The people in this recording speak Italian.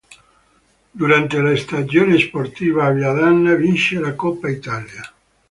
Durante la stagione sportiva a Viadana vince la Coppa Italia.